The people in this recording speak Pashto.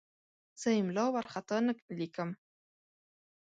زه املا وارخطا نه لیکم.